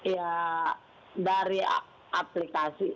ya dari aplikasi